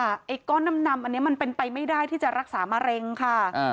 ไอ้ก้อนน้ำนำอันนี้มันเป็นไปไม่ได้ที่จะรักษามะเร็งค่ะ